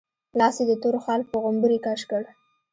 لاس يې د تور خال په غومبري کش کړ.